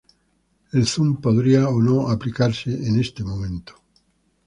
El zoom podría o no aplicarse en este momento.